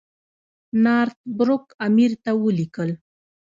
نارت بروک امیر ته ولیکل.